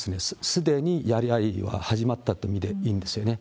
すでにやり合いは始まったと見ていいんですよね。